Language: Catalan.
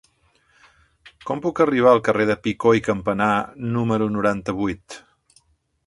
Com puc arribar al carrer de Picó i Campamar número noranta-vuit?